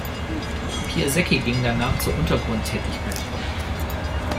Piasecki ging danach zu Untergrund-Tätigkeit über.